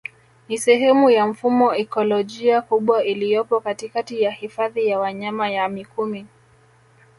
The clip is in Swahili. Ni sehemu ya mfumo ikolojia kubwa iliyopo katikati ya Hifadhi ya Wanyama ya mikumi